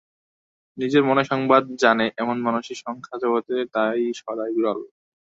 নিজের মনের সংবাদ জানে এমন মানুষের সংখ্যা জগতে তাই সদাই বিরল।